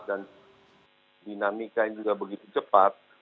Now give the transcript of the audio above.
dan dinamikannya juga begitu cepat